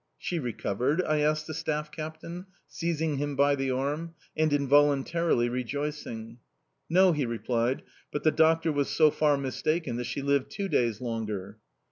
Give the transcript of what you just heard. "She recovered?" I asked the staff captain, seizing him by the arm, and involuntarily rejoicing. "No," he replied, "but the doctor was so far mistaken that she lived two days longer."